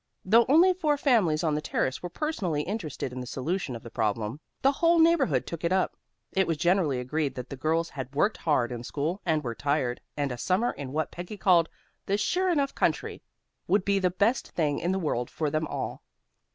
Though only four families on the Terrace were personally interested in the solution of the problem, the whole neighborhood took it up. It was generally agreed that the girls had worked hard in school, and were tired, and a summer in what Peggy called "the sure enough country" would be the best thing in the world for them all.